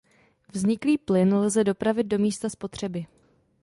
Vzniklý plyn lze dopravit do místa spotřeby.